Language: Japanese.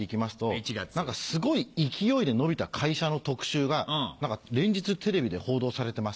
すごい勢いで伸びた会社の特集が連日テレビで報道されてました。